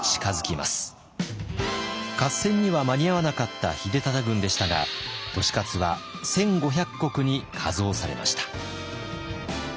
合戦には間に合わなかった秀忠軍でしたが利勝は１，５００石に加増されました。